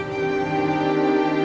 saya sudah berhenti